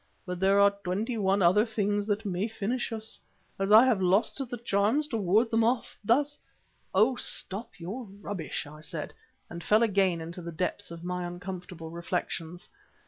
But there are twenty one other things that may finish us, as I have lost the charms to ward them off. Thus " "Oh! stop your rubbish," I said, and fell again into the depths of my uncomfortable reflections.